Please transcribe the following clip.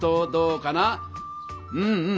うんうん。